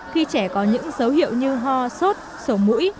khi trẻ có những dấu hiệu như ho sốt sổ mũi